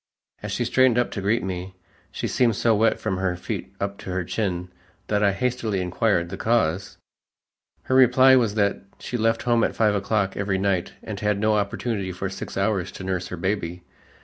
As she straightened up to greet me, she seemed so wet from her feet up to her chin, that I hastily inquired the cause. Her reply was that she left home at five o'clock every night and had no opportunity for six hours to nurse her baby.